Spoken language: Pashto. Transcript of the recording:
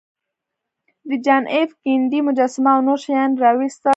د جان ایف کینیډي مجسمه او نور شیان یې راویستل